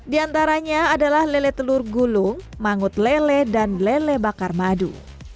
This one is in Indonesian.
di antaranya adalah lele telur gulung mangut lele dan lele bakar madu